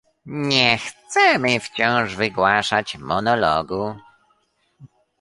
Nie chcemy wciąż wygłaszać monologu